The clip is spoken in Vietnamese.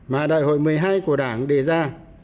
mà đại hội một mươi hai của đảng đề ra